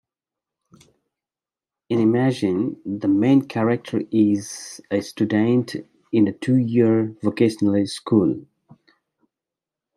In Imagine, the main character is a student in a two-year vocational school.